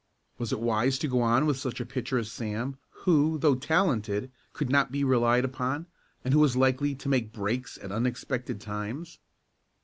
Was it wise to go on with such a pitcher as Sam who, though talented, could not be relied upon and who was likely to make "breaks" at unexpected times?